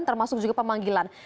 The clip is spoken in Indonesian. termasuk juga pemanggilan